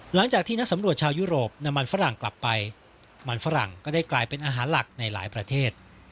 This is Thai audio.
หลังจากที่นักสำรวจชาวยุโรปนำมันฝรั่งกลับไปมันฝรั่งก็ได้กลายเป็นอาหารหลักในหลายประเทศ